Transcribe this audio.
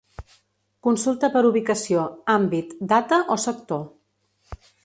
Consulta per ubicació, àmbit, data o sector.